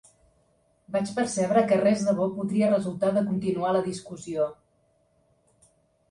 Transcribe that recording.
Vaig percebre que res de bo podria resultar de continuar la discussió.